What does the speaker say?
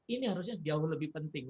ini harusnya jauh lebih penting